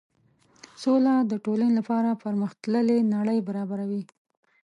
سوله د ټولنې لپاره پرمخ تللې نړۍ برابروي.